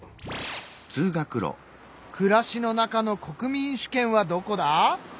暮らしの中の国民主権はどこだ？